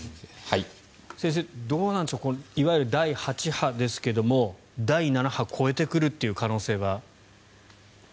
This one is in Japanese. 先生、どうなんでしょういわゆる第８波ですが第７波を超えてくるという可能性は？